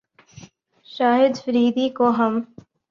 شاہد فریدی کو ہم